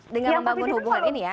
dengan membangun hubungan ini ya